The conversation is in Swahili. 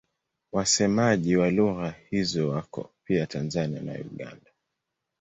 Wasemaji wa lugha hizo wako pia Tanzania na Uganda.